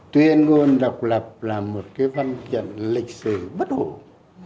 tuyên ngôn độc lập là một văn kiện lịch sử bất hồn